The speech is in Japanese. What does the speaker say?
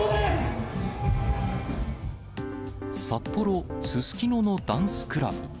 札幌・すすきののダンスクラブ。